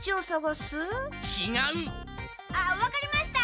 あっ分かりました！